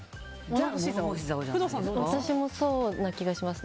私もそうな気がします。